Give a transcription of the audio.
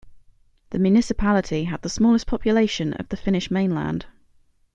The municipality had the smallest population of the Finnish mainland.